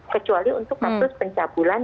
kecuali untuk kasus pencabulan